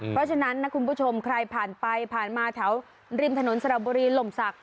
เพราะฉะนั้นนะคุณผู้ชมใครผ่านไปผ่านมาแถวริมถนนสระบุรีหล่มศักดิ